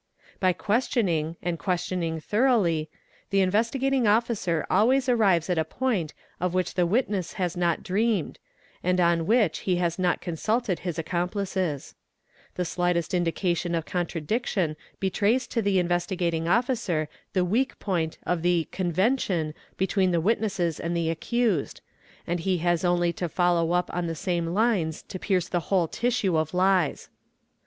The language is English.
By questioning, and questioning thoroughly, the Investigating Officer always arrives at a point of which the witness has not dreamed, and on which he has not consulted his accom | plices; the shghtest indication of contradiction betrays to the Investigating ' Officer the weak point of the "convention" between the witnesses and a he accused, and he has only to follow up on the same lines to pierce the whole tissue of lies.